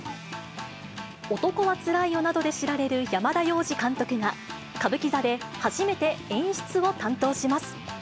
男はつらいよなどで知られる山田洋次監督が、歌舞伎座で初めて演出を担当します。